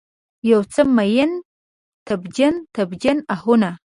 یوڅو میین، تبجن، تبجن آهونه